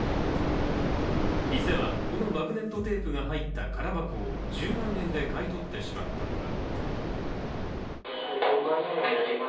店は、このマグネットテープが入った空箱を１０万円で買い取ってしまったのだ。